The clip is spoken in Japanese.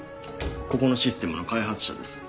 ここのシステムの開発者です。